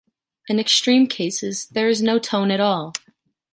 In extreme cases, there is no tone at all.